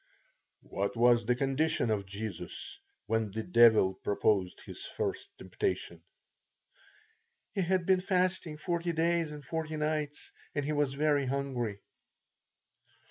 T. What was the condition of Jesus, when the devil proposed his first temptation? P. He had been fasting forty days and forty nights, and he was very hungry.